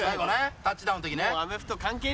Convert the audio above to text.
タッチダウンの時ね。